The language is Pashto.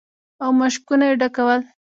او مشکونه يې ډکول.